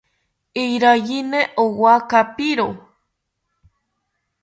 Iraiyini owa kapiro